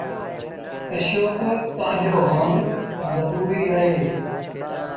اشوڪ تآجو هوڻ زروريٚ اهي